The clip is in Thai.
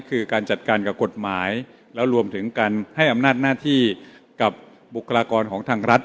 คือการจัดการกับกฎหมายแล้วรวมถึงการให้อำนาจหน้าที่กับบุคลากรของทางรัฐ